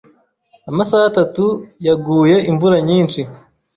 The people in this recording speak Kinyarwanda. Amasaha atatu yaguye imvura nyinshi.